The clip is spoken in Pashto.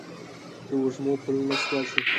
د وږمو پلونه سوزي